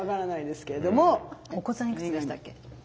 お子さんいくつでしたっけ？